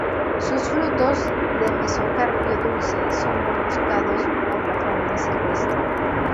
Sus frutos, de mesocarpio dulce, son muy buscados por la fauna silvestre.